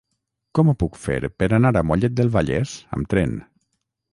Com ho puc fer per anar a Mollet del Vallès amb tren?